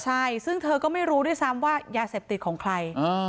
ใช่ซึ่งเธอก็ไม่รู้ด้วยซ้ำว่ายาเสพติดของใคร